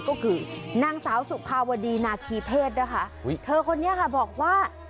ก็คือนางเสาสุภาวะดีนาขีเพศเขาคนนี้คะบอกว่า